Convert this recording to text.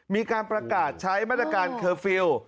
มีการประกาศใช้มาตรการเคอร์ฟิลล์